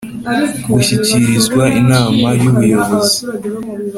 gushyikirizwa Inama y Ubuyobozi